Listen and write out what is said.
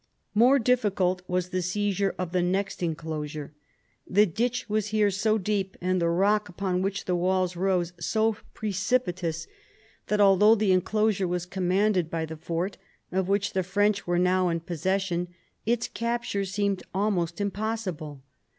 More difficult was the seizure of the next enclosure. The ditch was here so deep, and the rock upon which the walls rose so precipitous, that although 78 PHILIP AUGUSTUS chap. the enclosure was commanded by the fort, of which the French were now in possession, its capture seemed almost impossible.